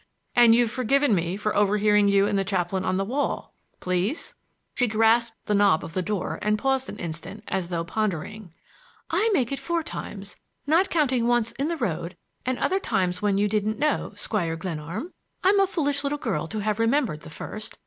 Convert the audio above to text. And you've forgiven me for overhearing you and the chaplain on the wall—please!" She grasped the knob of the door and paused an instant as though pondering. "I make it four times, not counting once in the road and other times when you didn't know, Squire Glenarm! I'm a foolish little girl to have remembered the first.